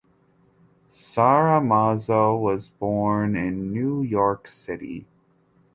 Sara Mazo was born in New York City.